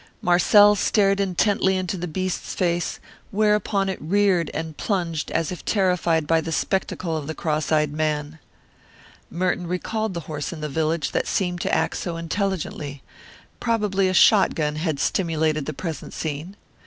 Marcel stared intently into the beast's face, whereupon it reared and plunged as if terrified by the spectacle of the cross eyed man. Merton recalled the horse in the village that had seemed to act so intelligently. Probably a shot gun had stimulated the present scene.